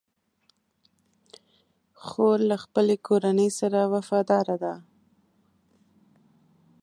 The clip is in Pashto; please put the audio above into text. خور له خپلې کورنۍ سره وفاداره ده.